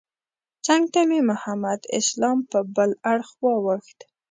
څنګ ته مې محمد اسلام په بل اړخ واوښت.